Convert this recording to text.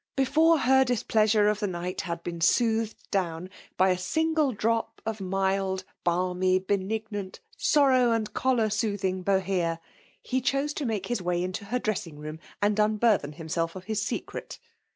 Before her displeasure of the night had been soothed down by a single cup of mild, balmy, benignant, sorrow and choler soothing Bohea, he chose 4 to make his way into her dressing room, and unburthen himself of his secret.